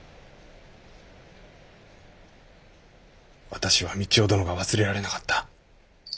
私は三千代殿が忘れられなかった。